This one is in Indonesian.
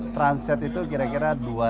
transat itu kira kira dua ratus tujuh puluh orang